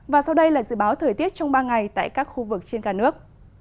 và sau đây là dự báo thời tiết trong ba ngày tại các khu vực trên cả nước